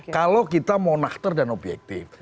kalau kita monakter dan objektif